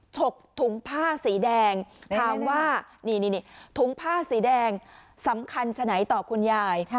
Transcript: ฉกถุงผ้าสีแดงถามว่านี่ถุงผ้าสีแดงสำคัญฉะไหนต่อคุณยาย